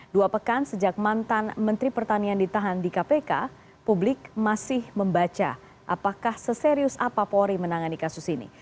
dua pekan sejak mantan menteri pertanian ditahan di kpk publik masih membaca apakah seserius apa polri menangani kasus ini